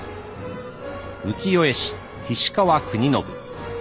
浮世絵師菱川国宣。